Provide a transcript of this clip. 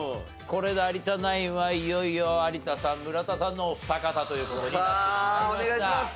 これで有田ナインはいよいよ有田さん村田さんのお二方という事になってしまいました。